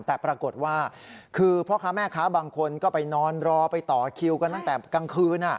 แต่ปรากฏว่าคือบางคนก็ไปนอนรอไปต่อคิวกันนั้นแต่กลางคืน